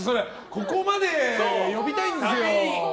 ここまで呼びたいんです。